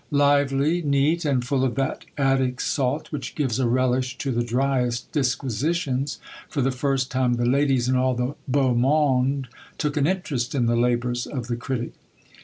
Lively, neat, and full of that attic salt which gives a relish to the driest disquisitions, for the first time the ladies and all the beau monde took an interest in the labours of the critic.